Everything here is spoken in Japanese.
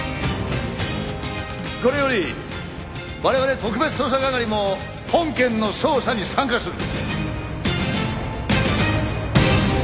これより我々特別捜査係も本件の捜査に参加する！